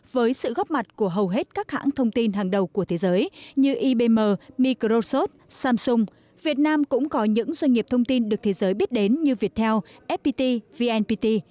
với sự góp mặt của hầu hết các hãng thông tin hàng đầu của thế giới như ibm microsot samsung việt nam cũng có những doanh nghiệp thông tin được thế giới biết đến như viettel fpt vnpt